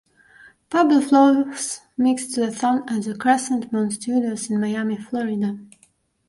Pablo Flores mixed the song at Crescent Moon Studios in Miami, Florida.